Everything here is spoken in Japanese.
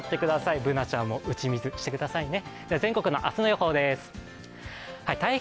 Ｂｏｏｎａちゃんも打ち水、してくださいね。